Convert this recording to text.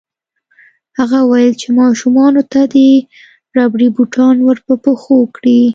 هغه وویل چې ماشومانو ته دې ربړي بوټان ورپه پښو کړي